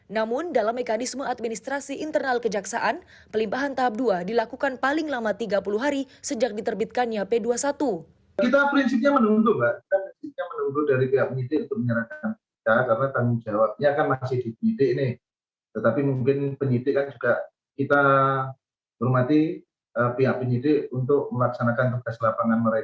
namun dalam mekanisme administrasi internal kejaksaan pelimpahan tahap dua dilakukan paling lama tiga puluh hari sejak diterbitkannya p dua puluh satu